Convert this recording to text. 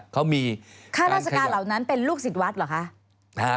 เขามีค่าราชการเหล่านั้นเป็นลูกศิษย์วัดเหรอคะ